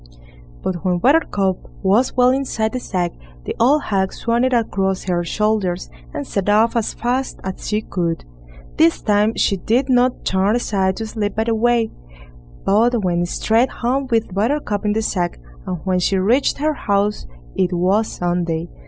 But when Buttercup was well inside the sack, the old hag swung it across her shoulders, and set off as fast as she could. This time she did not turn aside to sleep by the way, but went straight home with Buttercup in the sack, and when she reached her house it was Sunday.